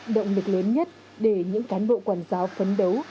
động lực lớn nhất để những cán bộ quản giáo phấn đấu